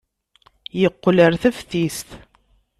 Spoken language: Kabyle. Yeqqel ɣer teftist.